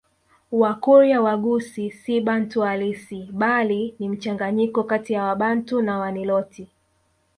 Wakurya Waghusii si Bantu halisi bali ni mchanganyiko kati ya Wabantu na Waniloti